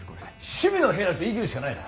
趣味の部屋だって言いきるしかないな。